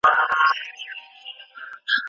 د هېواد اقتصاد به په راتلونکي کي د ودي په حال کي وي.